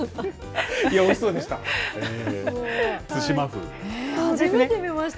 おいしそうでした。